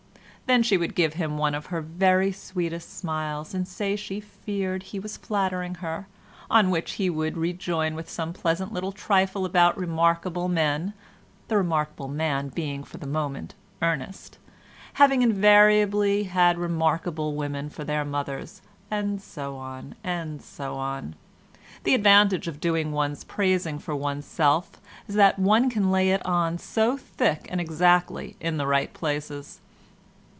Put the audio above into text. Then she would give him one of her very sweetest smiles and say she feared he was flattering her, on which he would rejoin with some pleasant little trifle about remarkable men (the remarkable man being for the moment Ernest) having invariably had remarkable women for their mothers—and so on and so on. The advantage of doing one's praising for oneself is that one can lay it on so thick and exactly in the right places.